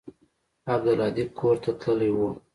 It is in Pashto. عبدالهادي کور ته تللى و.